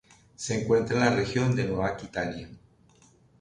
Se encuentra en la región de Nueva Aquitania.